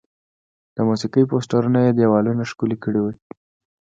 د موسیقي پوسټرونه یې دیوالونه ښکلي کړي وي.